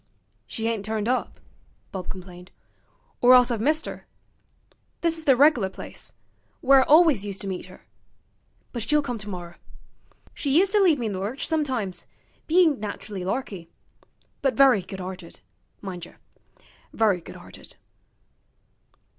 'She ain't turned up,' Bob complained, 'or else I've missed 'er. This is the reg'lar place where I alwis used to meet 'er. But she'll come tomorrer. She used to leave me in the lurch sometimes, bein' nach'rally larky. But very good 'arted, mindjer; very good 'arted.'